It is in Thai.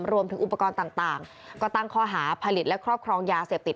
รวมถึงอุปกรณ์ต่างก็ตั้งข้อหาผลิตและครอบครองยาเสพติด